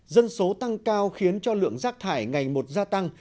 dân số tăng cao khiến cho lượng rác thải ngày một gia tăng